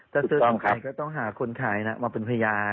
ซื้อของใครก็ต้องหาคนขายมาเป็นพยาน